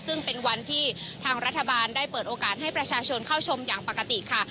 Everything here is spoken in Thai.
ซึ่งเป็นวันที่ทางรัฐบาลได้เปิดโอกาสให้ประชาชนเข้าชมอย่างปกติค่ะ